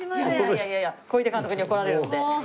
いやいやいや小出監督に怒られるんで。